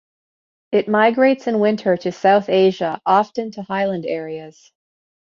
It migrates in winter to South Asia, often to highland areas.